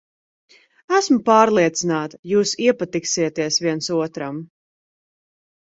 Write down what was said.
Esmu pārliecināta, jūs iepatiksieties viens otram.